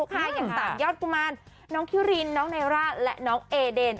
อย่างสามยอดกุมารน้องคิรินน้องไนร่าและน้องเอเดน